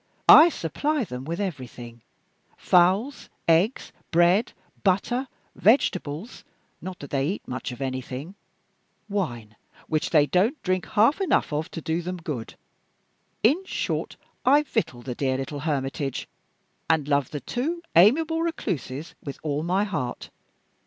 I supply them with everything fowls, eggs, bread, butter, vegetables (not that they eat much of anything), wine (which they don't drink half enough of to do them good); in short, I victual the dear little hermitage, and love the two amiable recluses with all my heart.